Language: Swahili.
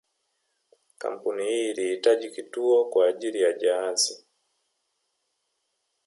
Kampuni hii ilihitaji kituo kwa ajili ya jahazi